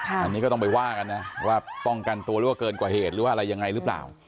อันนี้ก็ต้องไปว่ากันนะว่าป้องกันตัวหรือว่าเกินกว่าเหตุหรือว่าอะไรยังไงหรือเปล่า